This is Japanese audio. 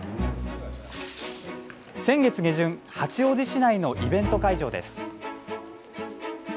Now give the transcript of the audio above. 先月下旬八王子市内のイベント会場です。